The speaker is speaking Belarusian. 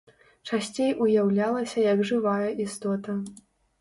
Часцей уяўлялася як жывая істота.